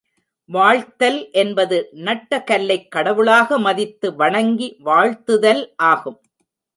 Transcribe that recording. வாழ்த்தல் என்பது, நட்ட கல்லைக் கடவுளாக மதித்து வணங்கி வாழ்த்துதல் ஆகும்.